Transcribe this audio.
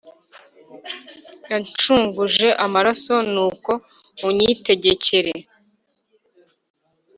Wanshunguje amaraso, Nuko unyitegekere!